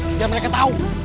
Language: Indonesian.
biar mereka tau